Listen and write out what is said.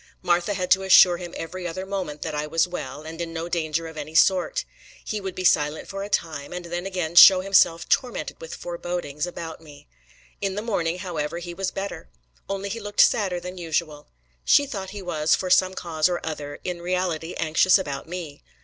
Martha had to assure him every other moment that I was well, and in no danger of any sort: he would be silent for a time, and then again show himself tormented with forebodings about me. In the morning, however, he was better; only he looked sadder than usual. She thought he was, for some cause or other, in reality anxious about me.